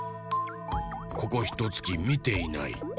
ここひとつきみていない。